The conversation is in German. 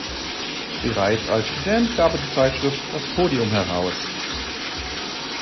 Bereits als Student gab er die Zeitschrift "Das Podium" heraus.